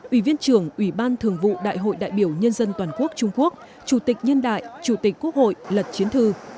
ủy viên trưởng ủy ban thường vụ đại hội đại biểu nhân dân toàn quốc trung quốc chủ tịch nhân đại chủ tịch quốc hội lật chiến thư